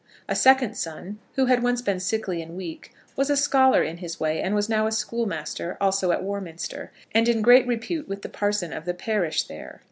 A second son who had once been sickly and weak, was a scholar in his way, and was now a schoolmaster, also at Warminster, and in great repute with the parson of the parish there.